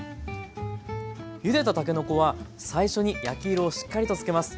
ゆでたたけのこは最初に焼き色をしっかりとつけます。